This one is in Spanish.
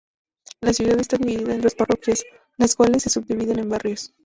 La ciudad está dividida en dos parroquias, las cuales se subdividen en barrios.